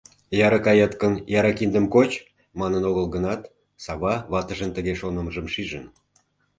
— Яра кает гын, яра киндым коч, — манын огыл гынат, Сава ватыжын тыге шонымыжым шижын.